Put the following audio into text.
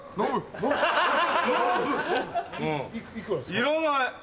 いらない！